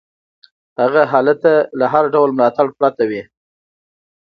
هغه هلته له هر ډول ملاتړ پرته وي.